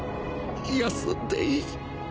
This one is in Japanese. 休んでいい。